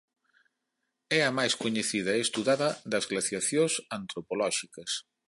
É a máis coñecida e estudada das glaciacións antropolóxicas.